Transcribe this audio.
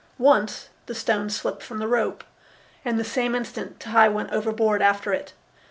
Once, the stone slipped from the rope, and the same instant Tehei went overboard after it.